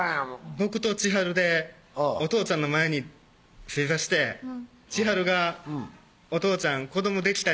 僕と千春でお父ちゃんの前に正座して千春が「お父ちゃん子どもできたけん」